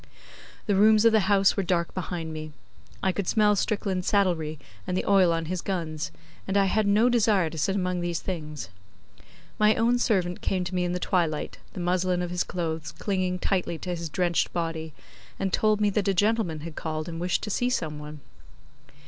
The rooms of the house were dark behind me. I could smell Strickland's saddlery and the oil on his guns, and I had no desire to sit among these things. My own servant came to me in the twilight, the muslin of his clothes clinging tightly to his drenched body, and told me that a gentleman had called and wished to see some one.